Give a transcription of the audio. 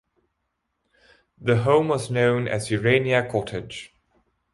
The home was known as Urania Cottage.